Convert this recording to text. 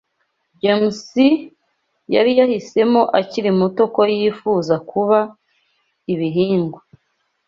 James yari yahisemo akiri muto ko yifuza kuba ibihingwa.